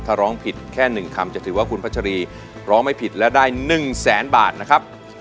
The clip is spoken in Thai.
ถ้าร้องผิดแค่๑คำจะถือว่าคุณพัชรีร้องไม่ผิดและได้๑แสนบาทนะครับ